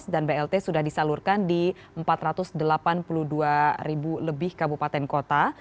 blt sudah disalurkan di empat ratus delapan puluh dua ribu lebih kabupaten kota